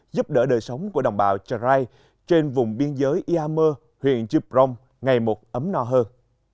giúp đỡ đời sống của đồng bào trà rai trên vùng biên giới ia mơ huyện chư prong ngày một ấm no hơn